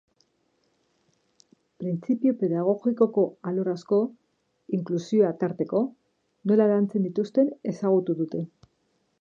Printzipio pedagogikoko alor asko, inklusioa tarteko, nola lantzen dituzten ezagutu dute.